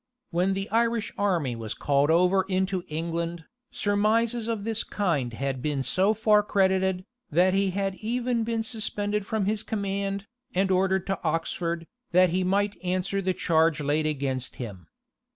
When the Irish army was called over into England, surmises of this kind had been so far credited, that he had even been suspended from his command, and ordered to Oxford, that he might answer the charge laid against him.